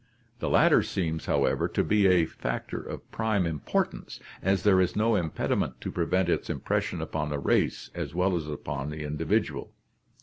The latter seems, however, to be a factor of prime importance, as there is no impedi ment to prevent its impression upon the race as well as upon the individual.